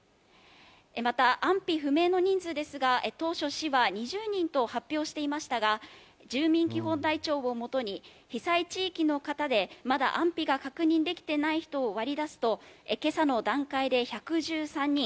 また安否不明の人数ですが、当初、市は２０人と発表していましたが、住民基本台帳を基に被災地域の方でまだ安否が確認できていない人を割り出すと、今朝の段階で１１３人。